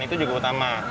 itu juga utama